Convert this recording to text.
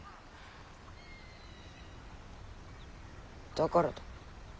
だからだ。